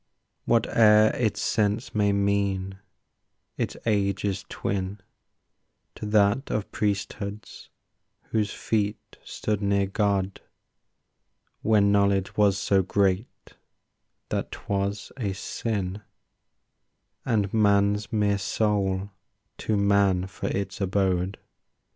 Whate'er its sense may mean, its age is twin To that of priesthoods whose feet stood near God, When knowledge was so great that 'twas a sin And man's mere soul too man for its abode.